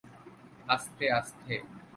আস্তে, আস্তে।